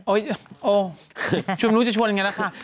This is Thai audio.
โอ้ชวนรู้ชวนยังไงละคะ